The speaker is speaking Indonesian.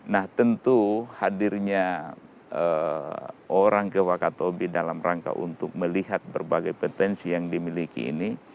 nah tentu hadirnya orang ke wakatobi dalam rangka untuk melihat berbagai potensi yang dimiliki ini